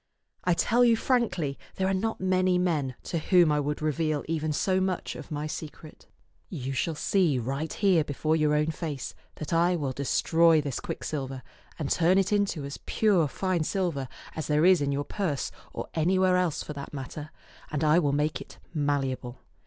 I tell you frankly there are not many men to whom I would reveal even so much of my secret. You shall see right here before your own face that I w^ill destroy this quicksilver, and turn it into as pure, fine silver as there 2o8 ^^t Canon'0 ^eoman'5 ^<xk is in your purse or anywhere else for that matter, and I will make it malleable.